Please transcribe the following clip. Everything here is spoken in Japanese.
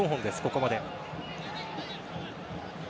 ここまで。